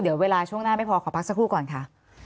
เดี๋ยวเวลาช่วงหน้าไม่พอขอพักสักครู่ก่อนค่ะ